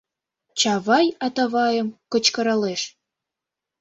Чавай Атавайым кычкыралеш: